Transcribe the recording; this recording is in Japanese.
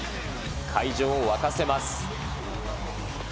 会場を沸かせます。